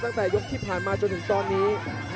ตั้งแต่ยกที่ผ่านมาจนถึงตอนนี้